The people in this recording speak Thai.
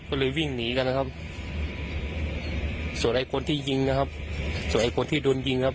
ก็เลยวิ่งหนีกันนะครับส่วนไอ้คนที่ยิงนะครับส่วนไอ้คนที่โดนยิงครับ